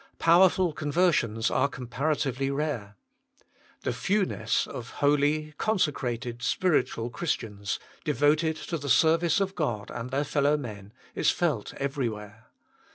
Powerful conver sions are comparatively rare. The fewness of holy, consecrated, spiritual Christians, devoted to the service of God and their fellowmen, is felt every where.